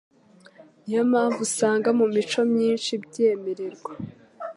Niyo mpamvu usanga mu mico myinshi byemererwa